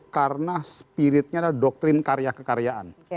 karena spiritnya adalah doktrin karya kekaryaan